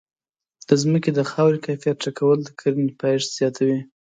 د ځمکې د خاورې کیفیت ښه کول د کرنې پایښت زیاتوي.